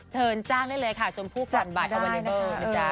เชิญจ้างได้เลยค่ะชมผู้ก่อนบ่ายจัดมาได้นะคะ